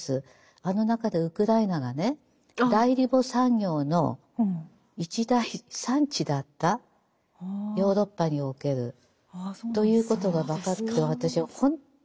あの中でウクライナがね代理母産業の一大産地だったヨーロッパにおけるということが分かって私は本当に恐れおののきました。